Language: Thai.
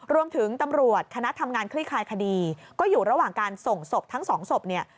ตำรวจคณะทำงานคลี่คลายคดีก็อยู่ระหว่างการส่งศพทั้งสองศพเนี่ย